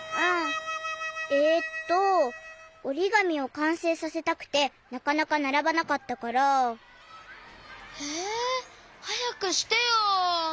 えっとおりがみをかんせいさせたくてなかなかならばなかったから。えはやくしてよ！